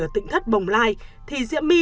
ở tỉnh thất bồng lai thì diễm my